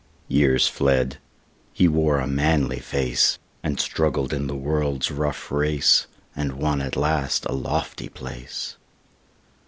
Years fled; he wore a manly face, And struggled in the world's rough race, And won at last a lofty place.